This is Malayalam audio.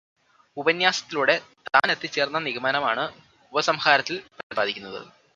ഉപന്യാസത്തിലൂടെ താനെത്തിച്ചേർന്ന നിഗമനമാണ് ഉപസംഹാരത്തിൽ പ്രതിപാദിക്കുന്നത്.